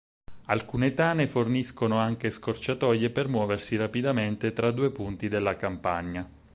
Alcune tane forniscono anche scorciatoie per muoversi rapidamente tra due punti della campagna.